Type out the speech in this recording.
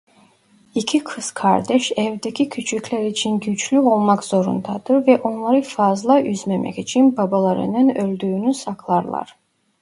İki kız kardeş evdeki küçükler için güçlü olmak zorundadır ve onları fazla üzmemek için babalarının öldüğünü saklarlar.